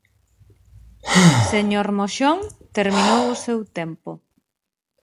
Señor Moxón, terminou o seu tempo.